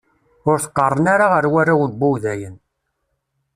Ur t-qeṛṛen ara ar warraw n wudayen.